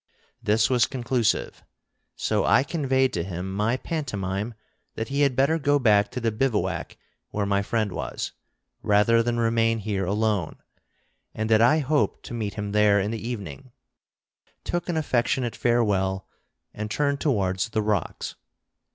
This was conclusive: so I conveyed to him my pantomime that he had better go back to the bivouac where my friend was, rather than remain here alone, and that I hoped to meet him there in the evening; took an affectionate farewell, and turned towards the rocks.